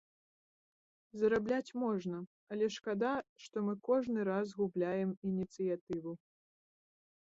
Зарабляць можна, але шкада, што мы кожны раз губляем ініцыятыву.